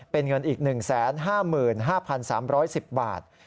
เป็นเงินอีก๑๕๕๓๑๐บาท